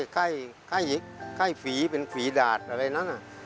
ใกล้ฝีเป็นฝีดาดอะไรนั้น